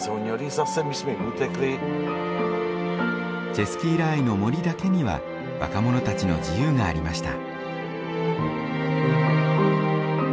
チェスキーラーイの森だけには若者たちの自由がありました。